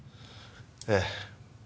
ええ。